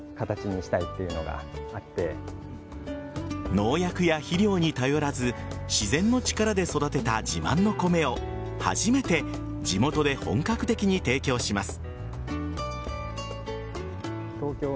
農薬や肥料に頼らず自然の力で育てた自慢の米を初めて地元で本格的に提供します。